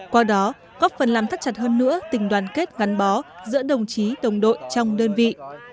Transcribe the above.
qua đó góp phần làm thắt chặt hơn nữa tình đoàn kết gắn bó giữa đồng chí đồng đội trong đơn vị